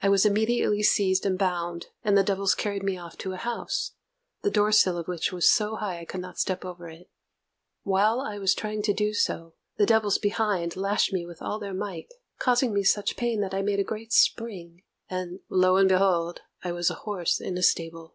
I was immediately seized and bound, and the devils carried me off to a house, the door sill of which was so high I could not step over it. While I was trying to do so, the devils behind lashed me with all their might, causing me such pain that I made a great spring, and lo and behold! I was a horse in a stable.